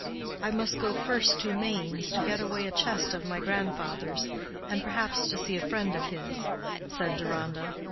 "I must go first to Mainz to get away a chest of my grandfather's, and perhaps to see a friend of his," said Deronda.